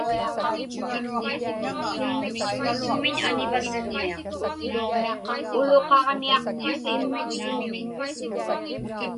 Uluqaġniaqpisi?